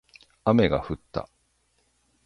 雨が降った